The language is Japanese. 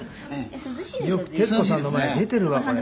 よく徹子さんの前に出てるわこれ。